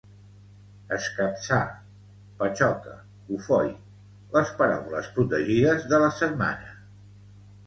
Escapçar, patxoca, cofoi, les paraules protegides de la setmana